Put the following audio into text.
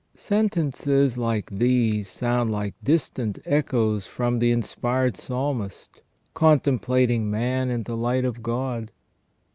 || Sentences like these sound like distant echoes from the inspired Psalmist, contemplating man in the light of God.